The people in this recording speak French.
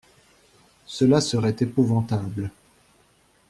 Cela serait épouvantable.